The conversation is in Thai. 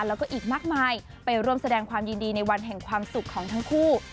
แล้วก็อีกมากมายไปร่วมแสดงความยินดีในวันแห่งความสุขของทั้งคู่